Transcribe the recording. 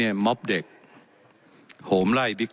และยังเป็นประธานกรรมการอีก